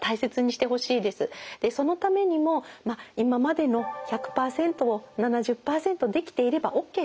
そのためにも今までの１００％を７０％できていればＯＫと。